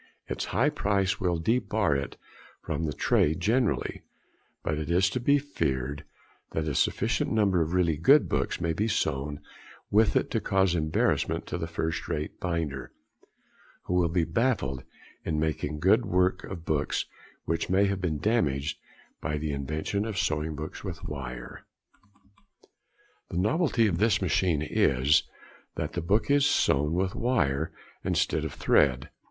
Its high price will debar it from the trade generally; but it is to be feared that a sufficient number of really good books may be sewn with it to cause embarrassment to the first rate binder, who will be baffled in making good work of books which may have been damaged by the invention of sewing books with wire. |31| [Illustration: Smythe's Sewing Machine.] The novelty of this machine is, that the book is sewn with wire instead of thread.